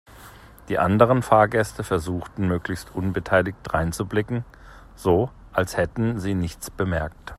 Die anderen Fahrgäste versuchten möglichst unbeteiligt dreinzublicken, so als hätten sie nichts bemerkt.